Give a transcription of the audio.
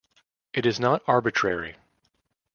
It is not arbitrary.